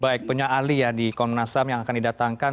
baik punya ahli ya di komunasap yang akan didatangkan